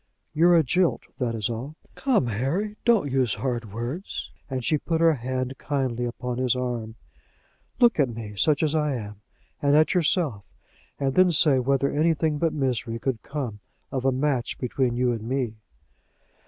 "You are a jilt, that is all." "Come, Harry, don't use hard words," and she put her hand kindly upon his arm. "Look at me, such as I am, and at yourself, and then say whether anything but misery could come of a match between you and me.